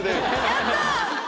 やった！